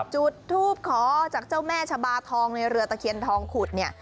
จุดทูปขอจากเจ้าแม่ชะบาทองในเรือตะเคียนทองขุดเนี่ย